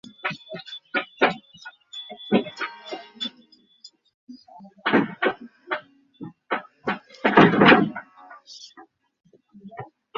সেই ভাবনা থেকে বলতে পারি, প্রত্যেক মানুষের মধ্যেই হ্যামলেটের চরিত্র বিরাজ করে।